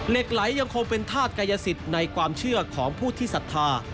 เหล็กไหลยังคงเป็นธาตุกายสิทธิ์ในความเชื่อของผู้ที่ศรัทธา